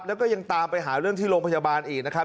แล้วก็ยังตามไปหาเรื่องที่โรงพยาบาลอีกนะครับ